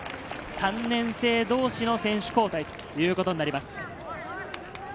３年生同士の選手交代ということになります。